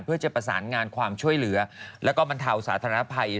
เพื่อจะประสานงานความช่วยเหลือแล้วก็บรรเทาสาธารณภัย